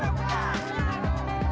hidup ujang hidup ujang